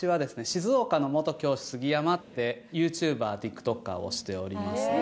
「静岡の元教師すぎやま」ってＹｏｕＴｕｂｅｒＴｉｋＴｏｋｅｒをしております